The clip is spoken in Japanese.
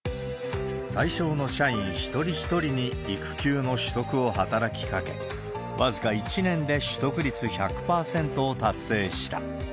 対象の社員一人一人に、育休の取得を働きかけ、僅か１年で取得率１００％を達成した。